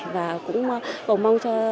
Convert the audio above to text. và cũng cầu mong cho